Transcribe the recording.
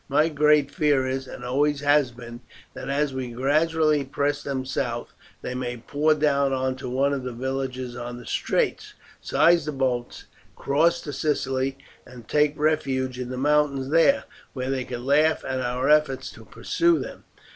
My great fear is, and always has been, that as we gradually press them south they may pour down on to one of the villages on the straits, seize the boats, cross to Sicily, and take refuge in the mountains there, where they could laugh at our efforts to pursue them.